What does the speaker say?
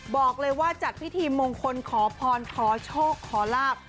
บอกเลยว่าจัดพิธีมงคลขอพรขอโชคขอลาบ